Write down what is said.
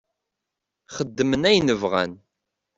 Xeddmen ayen bɣan.